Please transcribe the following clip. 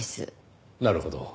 なるほど。